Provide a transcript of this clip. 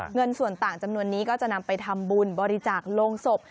เงินส่วนต่างจำนวนนี้ก็จะนำไปทำบุญบริจาคโรงศพ